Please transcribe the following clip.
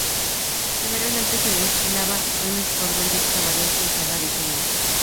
Generalmente se destinaba un escuadrón de esta variante en cada regimiento.